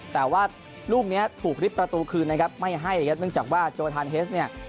แต่ว่าลูกเนี้ยถูกริบประตูคืนนะครับไม่ให้ครับเนื่องจากว่าโจทานเฮสเนี่ย